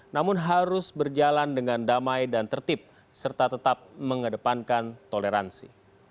namun harus berjalan dengan damai dan tertib serta tetap mengedepankan toleransi